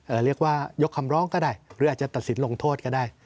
เอ่อเรียกว่ายกคำรองก็ได้หรืออาจจะ